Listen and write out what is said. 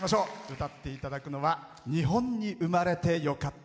歌っていただくのは「日本に生まれてよかった」。